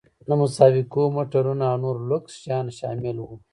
د مسابقو موټرونه او نور لوکس شیان شامل وو.